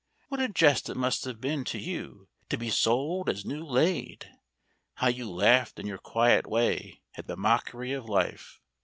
What a jest it must have been to you to be sold as new laid! How you laughed in your quiet way at the mockery of life.